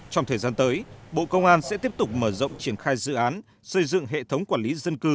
trong thời gian tới bộ công an sẽ tiếp tục mở rộng triển khai dự án xây dựng hệ thống quản lý dân cư